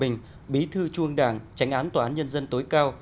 nguyễn hòa bình bí thư chuông đảng tránh án tòa án nhân dân tối cao